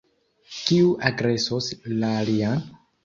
Kiu agresos la alian?